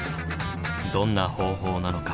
どんな方法なのか？